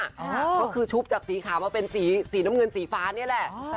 ก็คือชุบจากสีขาวมาเป็นสีน้ำเงินสีฟ้านี่แหละ